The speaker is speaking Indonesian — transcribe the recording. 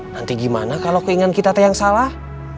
nanti gimana kalau keinginan kita ada yang salah